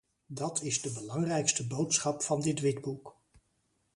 Dat is de belangrijkste boodschap van dit witboek.